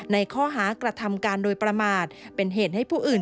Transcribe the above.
เปิดประตูไม่เป็น